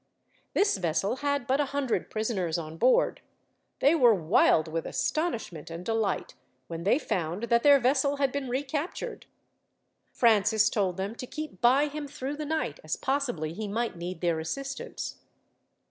This vessel had but a hundred prisoners on board. They were wild with astonishment and delight, when they found that their vessel had been recaptured. Francis told them to keep by him through the night, as possibly he might need their assistance.